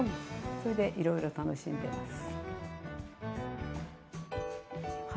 それでいろいろ楽しんでます。